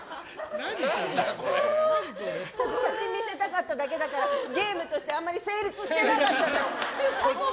写真を見せたかっただけだからゲームとしてあまり成立してなかった。